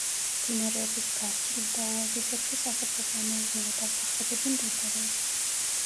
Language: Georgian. მდინარეების გასწვრივ და ოაზისებში, სასოფლო-სამეურნეო დასახლებები მდებარეობს.